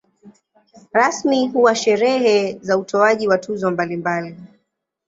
Rasmi huwa sherehe za utoaji wa tuzo mbalimbali.